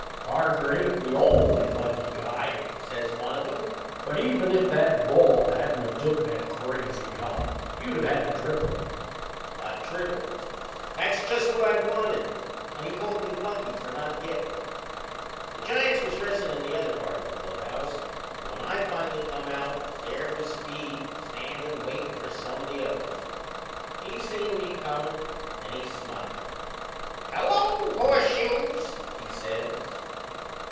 "Parker ain't the only lucky guy!" says one of 'em. "But even if that ball hadn't of took that crazy hop you'd of had a triple." A triple! That's just what I'd wanted; and he called me lucky for not gettin' it! The Giants was dressin' in the other part o' the clubhouse; and when I finally come out there was Speed, standin' waitin' for some o' the others. He seen me comin' and he smiled. " Hello, Horseshoes!"he says.